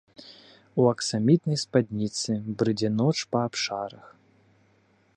У аксамітнай спадніцы брыдзе ноч па абшарах.